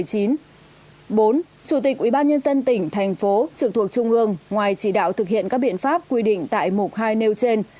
chủ tịch ubnd tỉnh thành phố trực thuộc trung ương ngoài chỉ đạo thực hiện các biện pháp quy định tại mục hai nêu trên